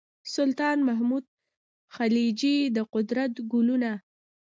سلطان محمود خلجي د قدرت کلونه.